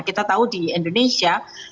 kita tahu di indonesia